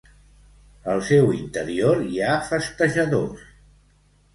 Al seu interior hi ha festejadors.